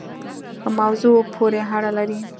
موضوع پوری اړه لری